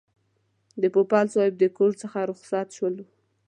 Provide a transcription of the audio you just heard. د پوپل صاحب د کور څخه رخصت شولو.